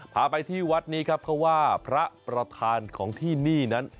พาไปที่วัดนี้ครับเขาว่าพระประธานของที่นี่นั้น